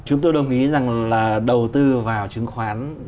chúng tôi đồng ý rằng là đầu tư vào chứng khoán